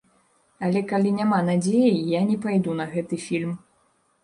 Але калі няма надзеі, я не пайду на гэты фільм.